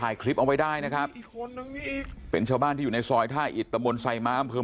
ก็ถ่ายคลิปเอาไว้ได้นะครับเป็นชาวบ้านที่อยู่ในซอยท่าอิดตะบนไซม้าม